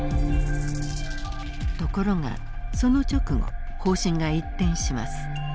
ところがその直後方針が一転します。